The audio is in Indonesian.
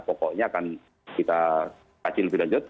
pokoknya akan kita kaji lebih lanjut